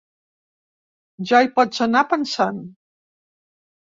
Ja hi pots anar pensant.